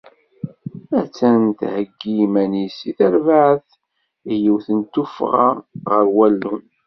Attan tettheyyi iman-is terbaεt i yiwet n tuffɣa ɣer wallun.